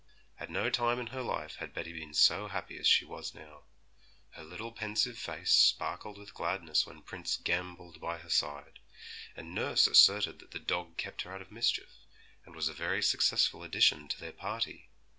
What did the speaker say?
At no time in her life had Betty been so happy as she was now; her little pensive face sparkled with gladness when Prince gambolled by her side; and nurse asserted that the dog kept her out of mischief, and was a very successful addition to their party.